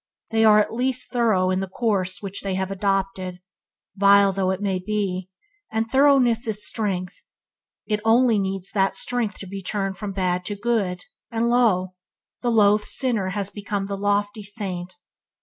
They are at least through in the course which they have adopted, vile though it be, and thoroughness is strength. It only needs that strength to be turned from bad to good, and lo! The loathed sinner has become the lofty saint!